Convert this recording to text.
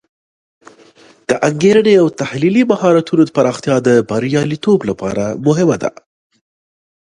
د انګیرنې او تحلیلي مهارتونو پراختیا د بریالیتوب لپاره مهمه ده.